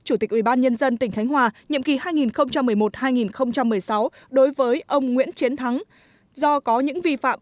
chủ tịch ubnd tỉnh khánh hòa nhiệm kỳ hai nghìn một mươi một hai nghìn một mươi sáu đối với ông nguyễn chiến thắng do có những vi phạm